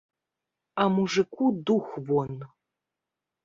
А мужыку дух вон.